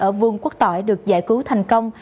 ở vương quốc tỏi được giải cứu thành công